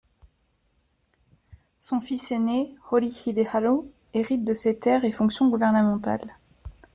Son fils aîné, Hori Hideharu, hérite de ses terres et fonctions gouvernementales.